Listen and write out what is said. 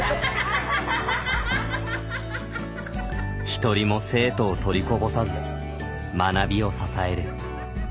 一人も生徒を取りこぼさず学びを支える。